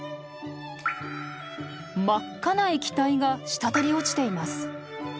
真っ赤な液体が滴り落ちています。